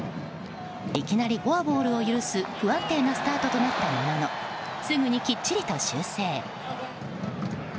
いきなりフォアボールを許す不安定なスタートとなったもののすぐにきっちりと修正。